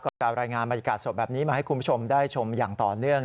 กับการรายงานบรรยากาศสดแบบนี้มาให้คุณผู้ชมได้ชมอย่างต่อเนื่อง